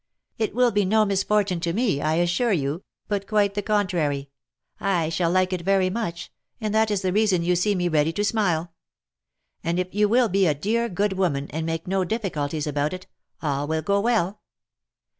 • "It will be no misfortune to me, I assure you, but quite the contrary. I shall like it very much, and that is the reason you see me ready to smile ; and if you will be a dear good woman, and make no difficulties about it, all will go well.